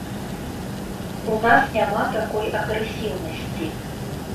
У нас няма такой агрэсіўнасці.